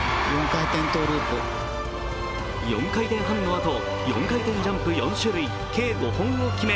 ４回転半のあと、４回転ジャンプ４種類、計５本を決め